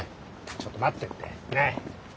ちょっと待ってって！